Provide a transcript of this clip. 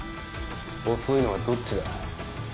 遅いのはどっちだ。